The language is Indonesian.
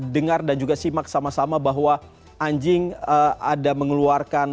dengar dan juga simak sama sama bahwa anjing ada mengeluarkan